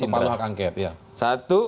ketuk palu hak angket